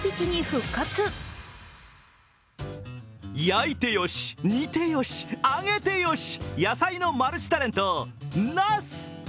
焼いてよし、煮てよし、揚げてよし、野菜のマルチタレント・ナス。